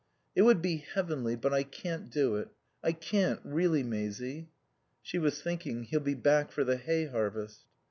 "It would be heavenly, but I can't do it. I can't, really, Maisie." She was thinking: He'll be back for the hay harvest.